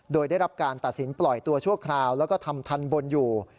โดยได้รับการตัดสินปล่อยตัวชั่วคราวแล้วก็ทำทันบนอยู่